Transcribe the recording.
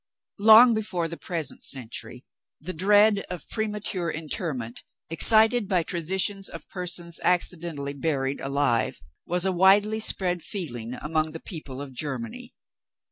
Long before the present century, the dread of premature interment excited by traditions of persons accidentally buried alive was a widely spread feeling among the people of Germany.